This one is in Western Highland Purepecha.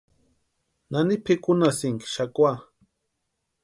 ¿Nani pʼikunhasïnki xakwa?